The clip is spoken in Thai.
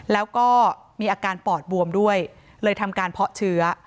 แล้วก็มีอาการปอดบวมด้วยเลยทำการเพาะเชื้อ